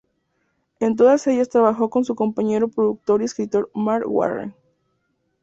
En todas ellas trabajó con su compañero productor y escritor Marc Warren.